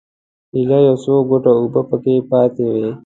ایله یو څو ګوټه اوبه په کې پاتې وې.